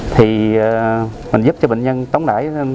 thì mình giúp cho bệnh nhân tống đải